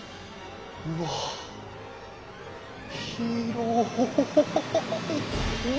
うわ広い！